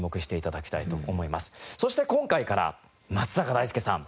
そして今回から松坂大輔さん。